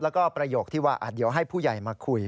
แล้วก็ประโยคที่ว่าเดี๋ยวให้ผู้ใหญ่มาคุย